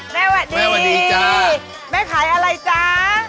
แม่หวัดดีจ้าแม่ขายอะไรจ้า